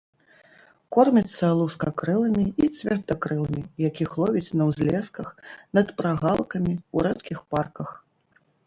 Корміцца лускакрылымі і цвердакрылымі, якіх ловіць на ўзлесках, над прагалкамі, у рэдкіх парках.